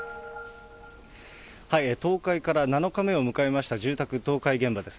倒壊から７日目を迎えました、住宅倒壊現場です。